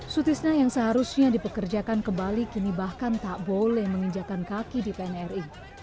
sutisna yang seharusnya dipekerjakan kembali kini bahkan tak boleh menginjakan kaki di pnri